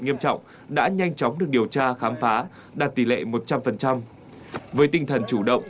nghiêm trọng đã nhanh chóng được điều tra khám phá đạt tỷ lệ một trăm linh với tinh thần chủ động